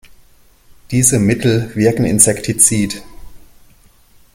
Diese Mittel wirken insektizid.